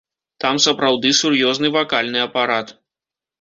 Там сапраўды сур'ёзны вакальны апарат.